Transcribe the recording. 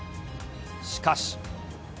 しかし。